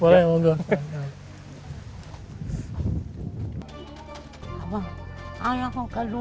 boleh mohon tuhan